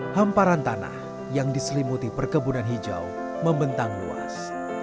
hamparan tanah yang diselimuti perkebunan hijau membentang luas